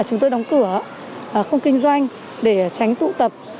chúng tôi đóng cửa không kinh doanh để tránh tụ tập